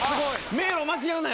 迷路間違うなよ。